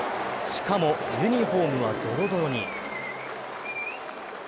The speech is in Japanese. しかも、ユニフォームはドロドロに。